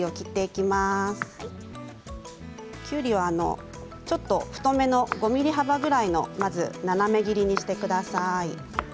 きゅうりはちょっと太めの５ｍｍ幅くらいの斜め切りにしてください。